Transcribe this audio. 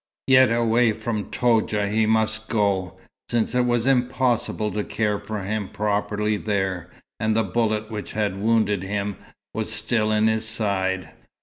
Yet away from Toudja he must go, since it was impossible to care for him properly there, and the bullet which had wounded him was still in his side.